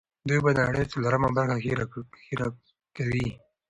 دوی به د نړۍ څلورمه برخه هېر کوي.